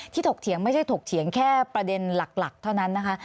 ถกเถียงไม่ใช่ถกเถียงแค่ประเด็นหลักเท่านั้นนะคะ